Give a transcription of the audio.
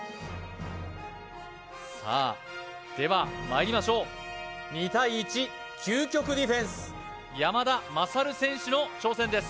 さあではまいりましょう２対１究極ディフェンス山田優選手の挑戦です